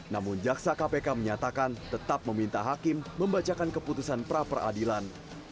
namun jaksa kpk menyatakan tetap meminta hakim membacakan keputusan pra peradilan